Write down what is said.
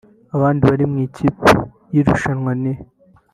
Abandi bari mu ikipe y’irushanwa ni